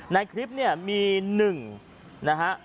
ในคลิปเนี่ยมี๑นะฮะ